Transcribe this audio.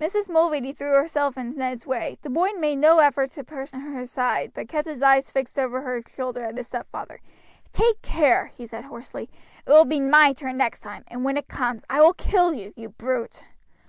Mrs. Mulready threw herself in Ned's way; the boy made no effort to put her aside, but kept his eyes fixed over her shoulder at his stepfather. "Take care!" he said hoarsely, "it will be my turn next time, and when it comes I will kill you, you brute."